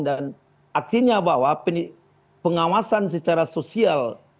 dan artinya bahwa pengawasan secara sosial